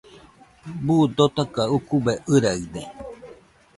Buu dotaka ukube ɨraɨde